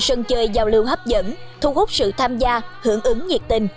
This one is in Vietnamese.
sân chơi giao lưu hấp dẫn thu hút sự tham gia hưởng ứng nhiệt tình